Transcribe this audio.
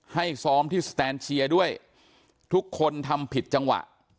ซ้อมที่สแตนเชียร์ด้วยทุกคนทำผิดจังหวะ